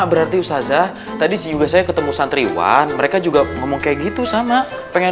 berarti usazah tadi juga saya ketemu santriwan mereka juga ngomong kayak gitu sama pengen